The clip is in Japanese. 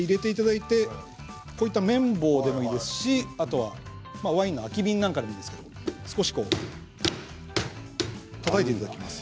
麺棒でもいいですし、あとはワインの空き瓶なんかでもいいですけど少したたいていただきます。